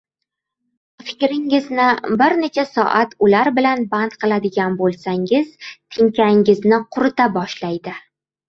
Fikringizni bir necha soat ular bilan band qiladigan boʻlsangiz, tinkangizni qurita boshlaydi.